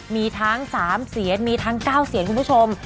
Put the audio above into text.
มีทั้งสามเศียรมีทั้งเก้าเศียรคุณผู้ชม